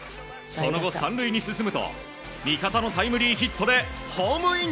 その後、３塁に進むと味方のタイムリーヒットでホームイン。